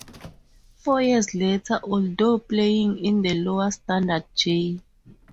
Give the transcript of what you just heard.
Four years later, although playing in the lower standard J.